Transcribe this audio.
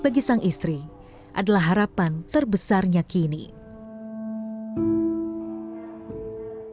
bisa makan setiap hari dan memberikan perawatan medis terbaik